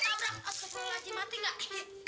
maaf aku baru lagi mati nggak